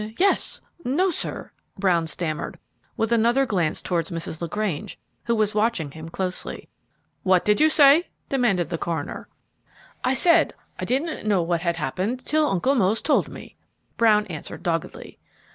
"N yes no, sir," Brown stammered, with another glance towards Mrs. LaGrange, who was watching him closely. "What did you say?" demanded the coroner. "I said I didn't know what had happened till Uncle Mose told me," Brown answered, doggedly.